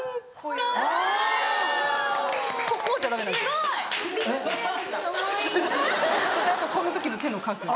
すごい！この時の手の角度。